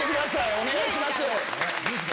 お願いします。